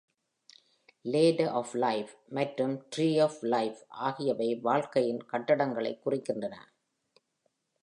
Ladder of Life மற்றும் Tree of Life ஆகியவை வாழ்க்கையின் கட்டங்களைக் குறிக்கின்றன.